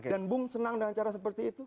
dan bung senang dengan cara seperti itu